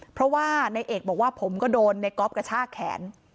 เพราะว่านายเอกบอกว่าผมก็โดนในก๊อฟกระชากแขน